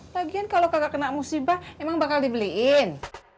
lagian kalau kakak kena musibah emang bakal dibeliin